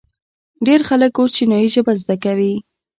ډیر خلک اوس چینایي ژبه زده کوي.